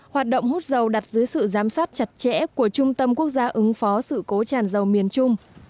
hoạt động hút dầu đặt dưới sự giám sát chặt chẽ của trung tâm quốc gia ứng phó sự cố tràn dầu miền trung